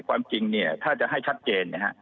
ความจริงถ้าจะให้ชัดเจน